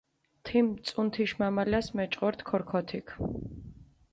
თიმ წუნთიშ მამალას მეჭყორდჷ ქორქოთიქ.